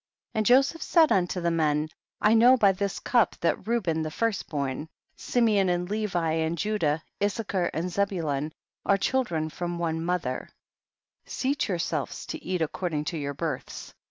12. And Joseph said unto the men, I know by this cup that Reuben the first born, Simeon and Levi and Ju dah, Tssachar and Zebulun are child ren from one mother, seat yourselves to eat according to your births.